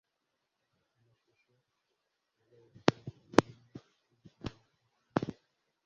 amashusho z'abakobwa barimo kwikinisha